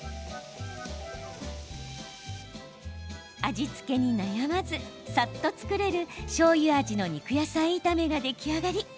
味付けに悩まず、さっと作れるしょうゆ味の肉野菜炒めが出来上がり。